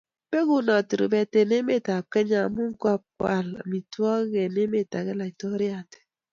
Pegunati rubet eng emet ab Kenya amu kopkoal amitwokik eng emet ake laitoriate